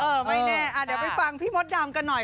ไม่แน่เดี๋ยวไปฟังพี่มดดำกันหน่อย